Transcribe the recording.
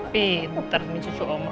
pintar mencucuk oma